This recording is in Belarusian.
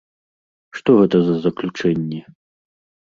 Што гэта за заключэнні?